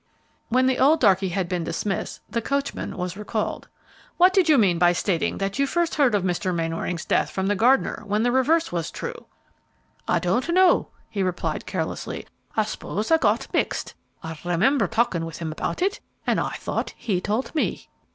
When the old darkey had been dismissed the coachman was recalled. "What did you mean by stating that you first heard of Mr. Mainwaring's death from the gardener, when the reverse was the truth?" "I don't know," he replied, carelessly; "I s'pose I got mixed. I remember talking with him about it, and I thought he told me."